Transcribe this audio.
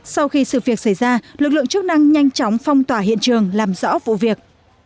sau khi sự việc xảy ra lực lượng chức năng nhanh chóng phong tỏa hiện trường làm rõ vụ việc